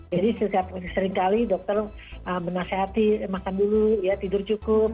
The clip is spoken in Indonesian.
jadi seringkali dokter menasehati makan dulu ya tidur cukup